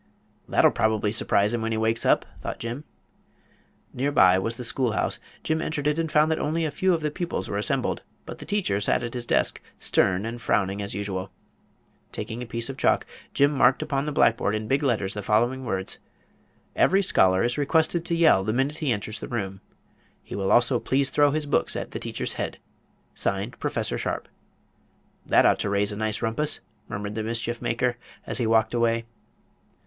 "That'll probably surprise him when he wakes up," thought Jim. Near by was the schoolhouse. Jim entered it and found that only a few of the pupils were assembled. But the teacher sat at his desk, stern and frowning as usual. Taking a piece of chalk, Jim marked upon the blackboard in big letters the following words: "Every scholar is requested to yell the minute he enters the room. He will also please throw his books at the teacher's head. Signed, Prof. Sharpe." "That ought to raise a nice rumpus," murmured the mischiefmaker, as he walked away.